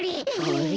あれ？